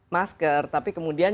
masker tapi kemudian